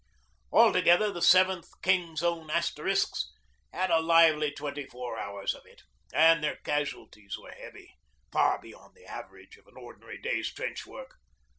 Altogether, the 7th King's Own Asterisks had a lively twenty four hours of it, and their casualties were heavy, far beyond the average of an ordinary day's trench work.